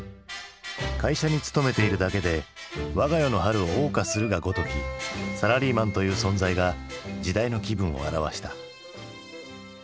会社に勤めているだけで我が世の春をおう歌するがごときサラリーマンという存在が時代の気分を表した。